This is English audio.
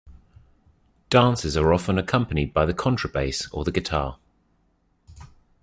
Dances are often accompanied by the contrabass or the guitar.